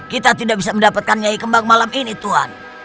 kita tidak bisa mendapatkan nyai kembang malam ini tuhan